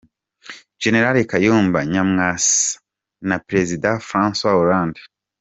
Gen. Kayumba Nyamwasa na Perezida Francois Hollande